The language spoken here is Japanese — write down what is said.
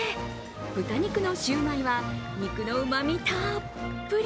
豚肉のシューマイは肉のうまみたっぷり。